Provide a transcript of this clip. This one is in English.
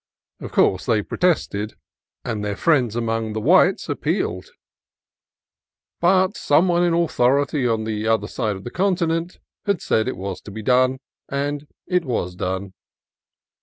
Of course they pro tested, and their friends among the whites appealed; THE INDIANS OF AGUA CALIENTE 35 but some one in authority on the other side of the continent had said it was to be, and it was done.